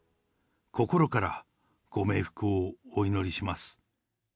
心からご冥福をお祈りします。